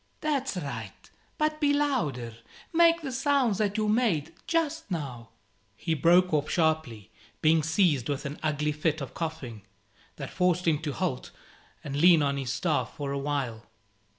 "That's right; but be louder. Make the sounds that you made just now " He broke off sharply, being seized with an ugly fit of coughing, that forced him to halt and lean on his staff for a while.